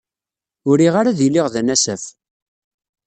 Ur riɣ ara ad iliɣ d anasaf.